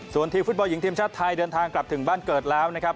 ส่วนทีมฟุตบอลหญิงทีมชาติไทยเดินทางกลับถึงบ้านเกิดแล้วนะครับ